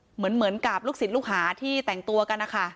เหมือนกับลูกศิษย์ลูกหาที่แต่งตัวกันนะคะ